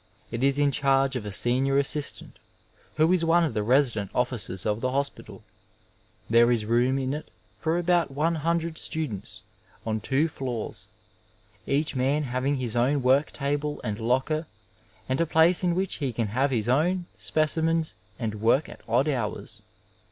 It is in charge of a senior assistant, who is one of the resident officers of the hospital. There is room in it for about one hundred students on two floors, each man having his own work table and locker and a place in which he can have his own speci mensandworkat odd hours.